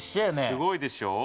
すごいでしょう？